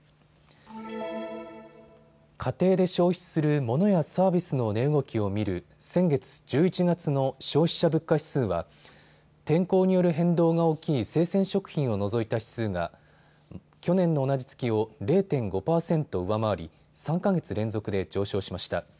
家庭で消費するモノやサービスの値動きを見る先月１１月の消費者物価指数は天候による変動が大きい生鮮食品を除いた指数が去年の同じ月を０．５％上回り３か月連続で上昇しました。